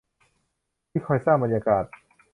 ที่คอยสร้างบรรยากาศ